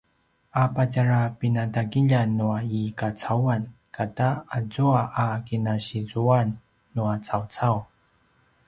a patjarapinatagiljan nua i kacauan kata azua a kinasizuan nua cawcau